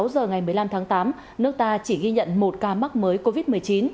sáu giờ ngày một mươi năm tháng tám nước ta chỉ ghi nhận một ca mắc mới covid một mươi chín